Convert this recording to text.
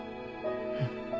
うん。